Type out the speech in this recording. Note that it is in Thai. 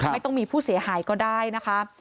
ไม่ต้องมีผู้เสียหายก็ได้นะคะ